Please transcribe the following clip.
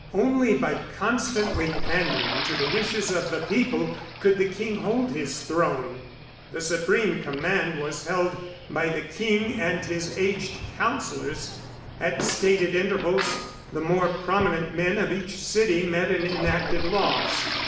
Only by constantly pandering to the wishes of the people could the king hold his throne. The supreme command was held by the king and his aged councilors. At stated intervals the more prominent men of each city met and enacted laws.